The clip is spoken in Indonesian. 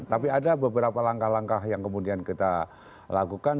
tapi ada beberapa langkah langkah yang kemudian kita lakukan